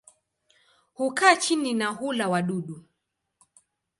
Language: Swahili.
Hukaa chini na hula wadudu.